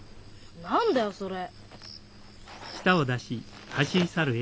何だよそれ。